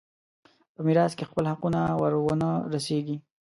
په میراث کې خپل حقونه ور ونه رسېږي.